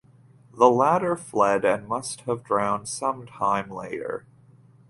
The latter fled and must have drowned sometime later.